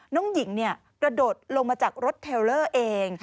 น้องหญิงกระโดดลงมาจากรถเทลเลอร์เอง